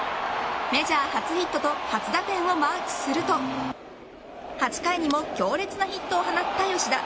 メジャー初ヒットと初打点をマークすると８回にも強烈なヒットを放った吉田。